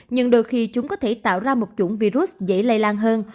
nhưng đôi khi chúng có thể tạo ra một chủng virus dễ lây lan hơn